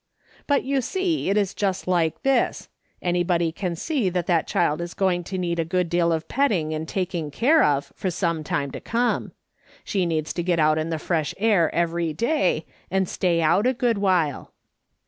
" But you see it is just like this : Anybody can see that that child is going to need a good deal of petting and taking care of for some time to come. She needs to get out in the fresh air every day, and stay out a good while.